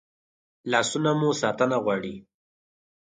لاسونه مو ساتنه غواړي